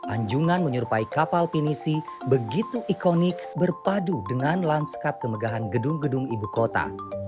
anjungan menyerupai kapal pinisi begitu ikonik berpadu dengan lanskap kemegahan gedung gedung ibu kota